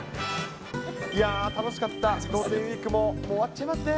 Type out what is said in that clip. いやぁ、楽しかったゴールデンウィークももう終わっちゃいますね。